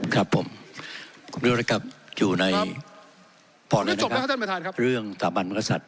ครับผมครับอยู่ในพอแล้วนะครับเรื่องสถาบันพระมหากษัตริย์